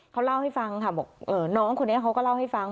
เขาเล่าให้ฟังค่ะบอกน้องคนนี้เขาก็เล่าให้ฟัง